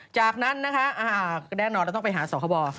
จากนั้นนะคะแน่นอนเราต้องไปหาสคบ